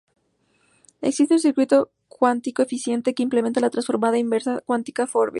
Existe un circuito cuántico eficiente que implementa la transformada inversa cuántica de Fourier.